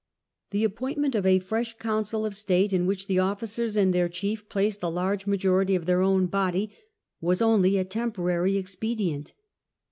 The appointment of a fresh Council of State, in which the officers and their chief placed a large majority of their own body, was only a temporary expedient.